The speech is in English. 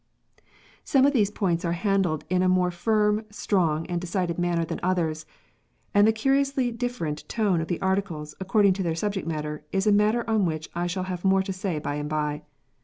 Some of these points are handled in a more firm, strong, and decided manner than others, and the curiously different tone of the Articles, according to their subject matter, is a matter on which I shall have more to say by and by.